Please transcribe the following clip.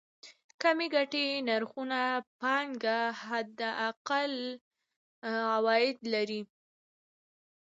کمې ګټې نرخونو پانګه حداقل عواید لري.